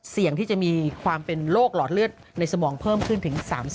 เสี่ยงที่จะมีความเป็นโรคหลอดเลือดในสมองเพิ่มขึ้นถึง๓๐